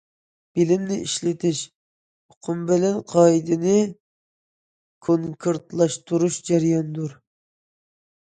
بىلىمنى ئىشلىتىش ئۇقۇم بىلەن قائىدىنى كونكرېتلاشتۇرۇش جەريانىدۇر.